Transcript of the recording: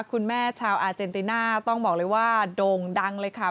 คุณแม่ชาวอาเจนติน่าต้องบอกเลยว่าโด่งดังเลยค่ะ